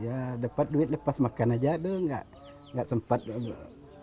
ya dapat duit lepas makan saja tidak sempat renovasi